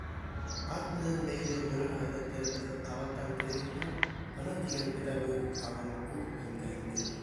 Ат менән бәйле ғөрөф-ғәҙәттәребеҙҙе ҡабаттан тергеҙһәк, бына тигән педагогик алым үҙ һөҙөмтәһен бирер.